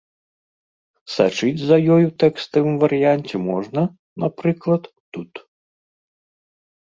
Сачыць за ёй у тэкставым варыянце можна, напрыклад, тут.